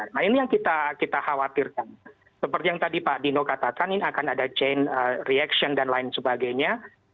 nah ini yang kita khawatirkan seperti yang tadi pak dino katakan ini akan ada chain reaction dan lain sebagainya